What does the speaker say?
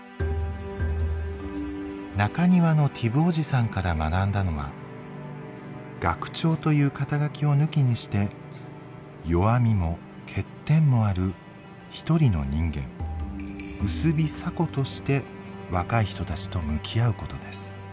「中庭のティブおじさん」から学んだのは「学長」という肩書を抜きにして弱みも欠点もある一人の人間「ウスビ・サコ」として若い人たちと向き合うことです。